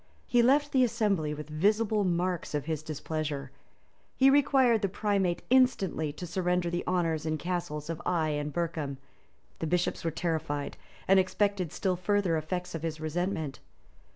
He left the assembly with visible marks of his displeasure: he required the primate instantly to surrender the honors and castles of Eye and Berkham: the bishops were terrified, and expected still further effects of his resentment.